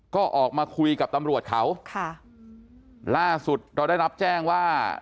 ก็ออกมาคุยกับตำรวจเขาค่ะล่าสุดเราได้รับแจ้งว่า